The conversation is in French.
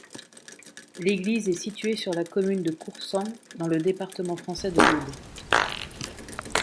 L'église est située sur la commune de Coursan, dans le département français de l'Aude.